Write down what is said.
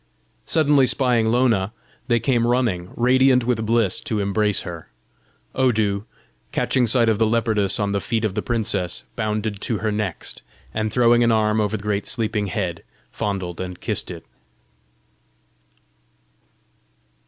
Suddenly spying Lona, they came running, radiant with bliss, to embrace her. Odu, catching sight of the leopardess on the feet of the princess, bounded to her next, and throwing an arm over the great sleeping head, fondled and kissed it.